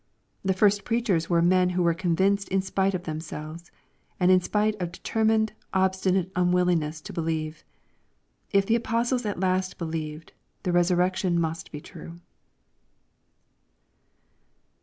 The first preachers were men who were convinced in spite of themselves, and in spite of determined, obsti nate unwillingness to believe. If the apostles at last believed, the resurrection must be true.